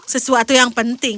sesuatu yang penting